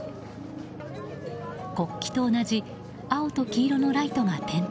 国旗と同じ青と黄色のライトが点灯。